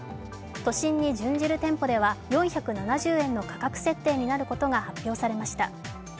都心に準じる店舗では４７０円の価格設定になることが発表されました。